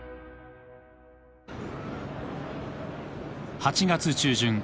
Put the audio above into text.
８月中旬